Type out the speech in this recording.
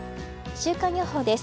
週間予報です。